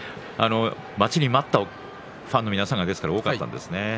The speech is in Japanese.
待ちに待ったファンの皆さんが巡業で多かったんですね。